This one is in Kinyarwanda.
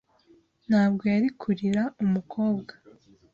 Ntabwo yari kurira umukobwa